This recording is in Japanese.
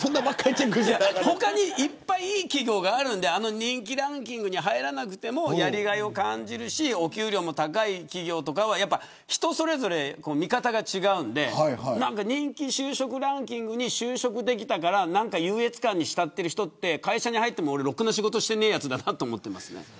他にいっぱいいい企業があるので人気ランキングに入らなくてもやりがいを感じるしお給料も高い企業とか人それぞれ、見方が違うので人気就職ランキングに就職できたから優越感に浸っている人って会社に入ってもろくな仕事しないやつだと思っていますね。